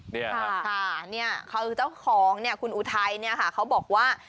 เนี่ยค่ะเนี่ยคือเจ้าของเนี่ยคุณอุทัยเนี่ยค่ะเขาบอกว่า